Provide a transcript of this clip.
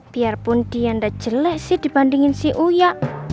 biarpun dia enggak jelek dibandingin si uya